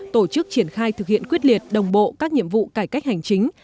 tổ chức triển khai thực hiện quyết liệt đồng bộ các nhiệm vụ cải cách hành chính